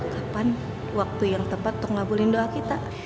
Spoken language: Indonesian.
kapan waktu yang tepat untuk ngabulin doa kita